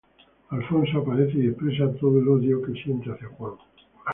Alonso aparece y expresa todo el odio que siente hacia Juan.